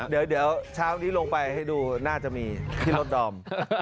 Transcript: เดี๋ยวเช้านี้ลงไปให้ดูน่าจะมีที่รถดอม